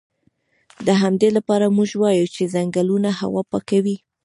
د همدې لپاره موږ وایو چې ځنګلونه هوا پاکوي